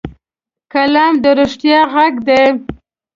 قلم د رښتیا غږ دی